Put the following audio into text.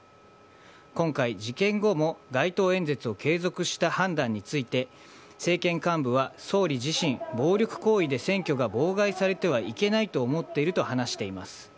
今回、事件後も街頭演説を継続した判断について政権幹部は総理自身、暴力行為で選挙が妨害されてはいけないと思っていると話しています。